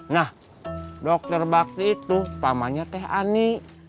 nah dokter bakti itu pamannya teh ani